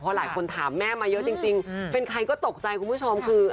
เพราะหลายคนถามแม่มาเยอะจริงจริงอืมเป็นใครก็ตกใจคุณผู้ชมคือ